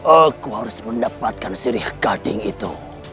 aku harus mendapatkan sirih gading itu